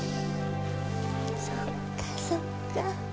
そっかそっか。